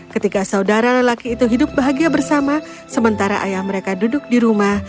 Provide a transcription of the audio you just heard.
ketika saudara lelaki itu hidup bahagia bersama sementara ayah mereka duduk di rumah